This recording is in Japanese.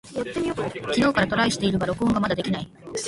昨日からトライしているが録音がまだできない。